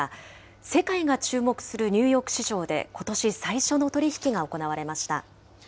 世界が注目するニューヨーク市場で、ことし最初の取り引きが行われました。